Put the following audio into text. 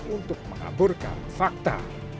untuk mengaburkan fakta